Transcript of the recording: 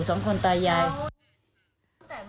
พอลูกสาวไม่อยู่ด้วย